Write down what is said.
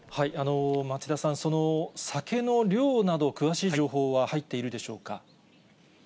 町田さん、その酒の量など、詳しい情報は入っているでしょうか。